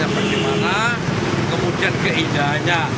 bagaimana kemudian keindahannya